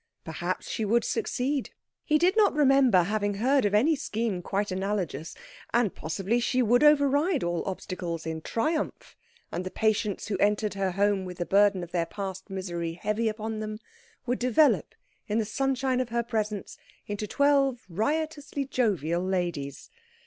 Perhaps she would succeed. He did not remember having heard of any scheme quite analogous, and possibly she would override all obstacles in triumph, and the patients who entered her home with the burden of their past misery heavy upon them, would develop in the sunshine of her presence into twelve riotously jovial ladies.